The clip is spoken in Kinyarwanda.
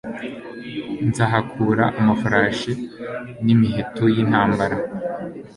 nzahakura amafarashi n'imiheto y intambara